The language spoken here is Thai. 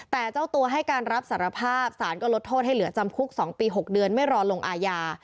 แต่เจ้าตัวให้การรับสารภาพสารก็ลดโทษให้เหลือจำคุก๒ปี๖เดือนไม่รอลงอาญา